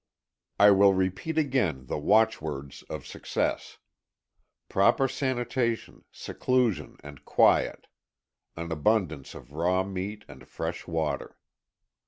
I will repeat again the watchwords of successŌĆö Proper sanitation, seclusion, and quiet, an abundance of raw meat and fresh water.